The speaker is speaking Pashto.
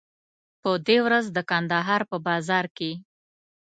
په دې ورځ د کندهار په بازار کې.